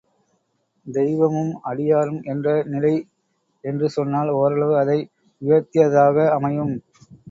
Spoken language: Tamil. தெய்வமும் அடியாரும் என்ற நிலை என்று சொன்னால் ஓரளவு அதை உயர்த்தியதாக அமையும்.